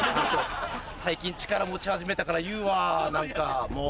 最近力持ち始めたから言うわ何かもう。